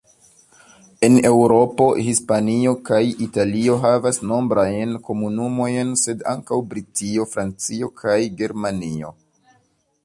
En Eŭropo, Hispanio kaj Italio havas nombrajn komunumojn sed ankaŭ Britio, Francio kaj Germanio.